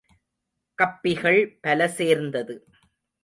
கப்பிகள் பல சேர்ந்தது.